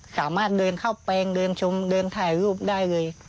สามารถเดินเข้าแปลงเดินชมเดินถ่ายรูปได้เลย